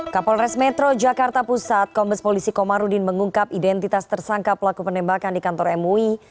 kapolres metro jakarta pusat kombes polisi komarudin mengungkap identitas tersangka pelaku penembakan di kantor mui